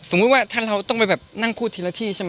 ว่าถ้าเราต้องไปแบบนั่งพูดทีละที่ใช่ไหม